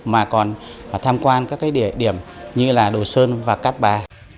mà còn tham quan các địa điểm như là đồ sơn và cát bà